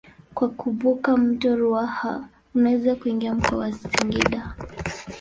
Kwa kuvuka mto Ruaha unaweza kuingia mkoa wa Singida.